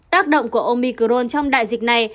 tác động của omicron trong đại dịch này